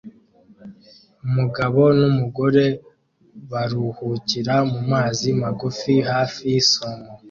Umugabo numugore baruhukira mumazi magufi hafi yisumo